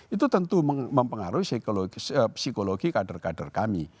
itu tentu mempengaruhi psikologi kader kader kami